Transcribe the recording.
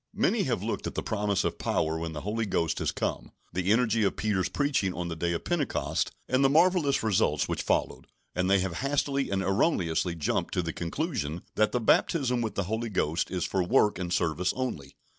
Many have looked at the promise of power when the Holy Ghost is come, the energy of Peter's preaching on the day of Pentecost, and the marvellous results which followed, and they have hastily and erroneously jumped to the conclusion that the baptism with the Holy Ghost is for work and service only.